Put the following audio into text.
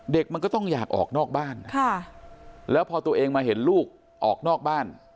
เด็กมันก็ต้องอยากออกนอกบ้านแล้วพอตัวเองมาเห็นลูกออกนอกบ้าน